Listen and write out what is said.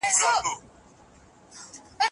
یاره په ما به نه ورانیږي